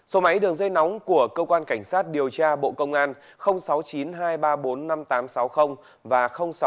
số máy đường dây nóng của cơ quan cảnh sát điều tra bộ công an sáu mươi chín hai trăm ba mươi bốn năm nghìn tám trăm sáu mươi và sáu mươi chín hai trăm ba mươi một một nghìn sáu trăm